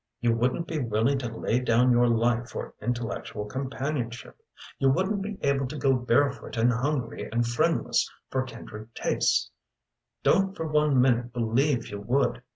You wouldn't be willing to lay down your life for intellectual companionship. You wouldn't be willing to go barefoot and hungry and friendless for kindred tastes. Don't for one minute believe you would!